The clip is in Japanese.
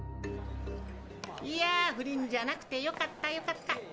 いや不倫じゃなくてよかったよかった。